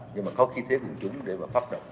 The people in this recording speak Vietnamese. nhưng mà có khí thế cùng chúng để phát động